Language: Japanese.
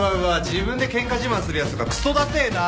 自分でケンカ自慢するやつとかくそダセえな！